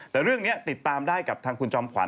แต่เรื่องนี้ติดตามได้กับทางคุณจอมขวั